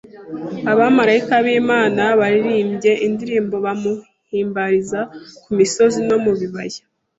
Abamarayika b’Imana baririmbye indirimbo bamuhimbariza ku misozi no mu bibaya